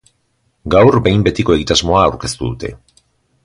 Gaur behin-betiko egitasmoa aurkeztu dute.